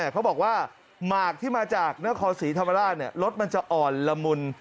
เขาบอกว่าหมากที่มาจากนครศรีธรรมราชรสมันจะอ่อนละมุน